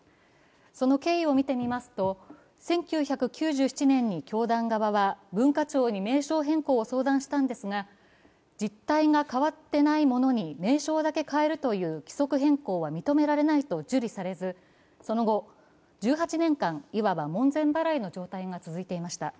その経緯を見てみますと、１９９７年に教団側は文化庁に名称変更を相談したんですが実態が変わっていないものに名称だけ変えるという規則変更は認められないと受理されず、その後、１８年間、いわば門前払いの状態が続いていました。